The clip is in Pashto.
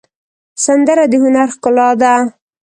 سندره د هنر ښکلا ده